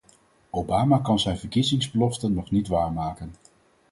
Obama kan zijn verkiezingsbelofte nog niet waarmaken.